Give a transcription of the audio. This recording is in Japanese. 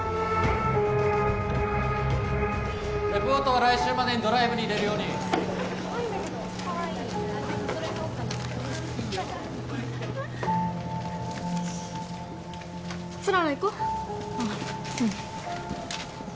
レポートは来週までにドライブに入れるように氷柱行こうああうん